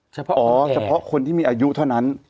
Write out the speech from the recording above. เฉพาะอ๋อเฉพาะคนที่มีอายุเท่านั้น